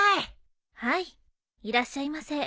はいいらしゃいませ。